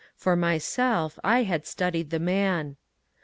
For myself I had studied the man.